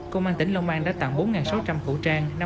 công an tỉnh long an đã tặng bốn sáu trăm linh khẩu trang